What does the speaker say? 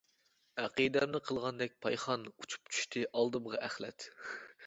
ئەقىدەمنى قىلغاندەك پايخان، ئۇچۇپ چۈشتى ئالدىمغا ئەخلەت.